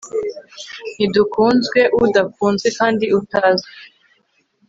Ntidukunzwe udakunzwe kandi utazwi